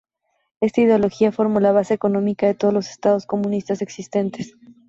Esta ideología formó la base económica de todos los estados comunistas existentes.